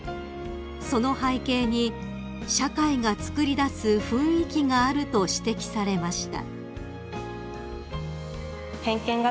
その背景に社会がつくり出す雰囲気があると指摘されました］